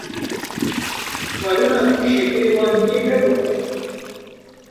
Xwarina ku şekîrên wan kêm e bixwin,.